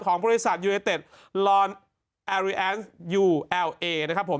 บริษัทยูเนเต็ดลอนแอร์ริแอนซ์ยูเอลเอนะครับผม